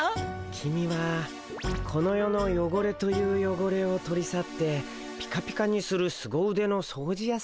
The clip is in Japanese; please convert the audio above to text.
キミはこの世のよごれというよごれを取り去ってピカピカにするすご腕の掃除やさんだね。